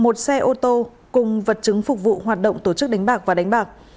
một xe ô tô cùng vật chứng phục vụ hoạt động tổ chức đánh bạc và đánh bạc